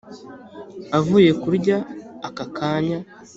avuye kurya aka kanya